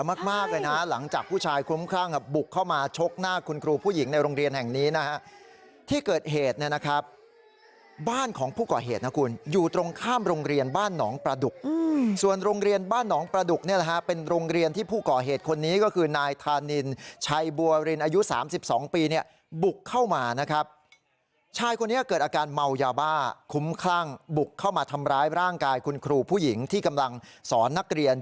มากมากเลยนะหลังจากผู้ชายคุ้มคร่างครับบุกเข้ามาชกหน้าคุณครูผู้หญิงในโรงเรียนแห่งนี้นะฮะที่เกิดเหตุเนี้ยนะครับบ้านของผู้ก่อเหตุนะคุณอยู่ตรงข้ามโรงเรียนบ้านหนองประดุกอืมส่วนโรงเรียนบ้านหนองประดุกเนี้ยแหละฮะเป็นโรงเรียนที่ผู้ก่อเหตุคนนี้ก็คือนายทานินชัยบัวรินอายุสามสิบสองปีเนี้ย